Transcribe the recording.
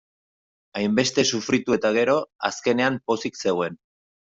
Hainbeste sufritu eta gero, azkenean pozik zegoen.